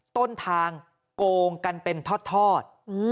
ต้นทางโกงกันเป็นทอด